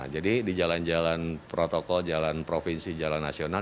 jadi di jalan jalan protokol jalan provinsi jalan nasional